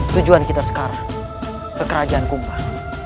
tujuan kita sekarang ke kerajaan kumpah